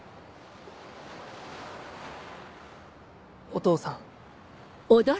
お父さん。